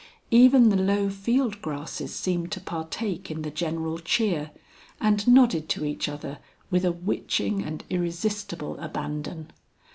Even the low field grasses seemed to partake in the general cheer, and nodded to each other with a witching and irresistible abandon.